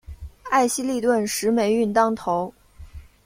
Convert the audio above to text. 艾希莉顿时霉运当头。